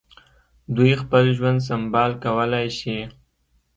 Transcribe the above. دوی خپل ژوند سمبال کولای شي.